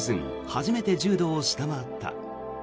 初めて１０度を下回った。